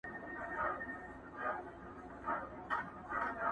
نه شرنګى سته د پاوليو نه پايلو؛